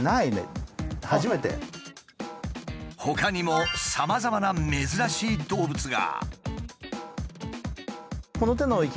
ほかにもさまざまな珍しい動物が。